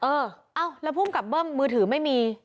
เออเอ้าแล้วภูมิกับเบิ้มมือถือไม่มี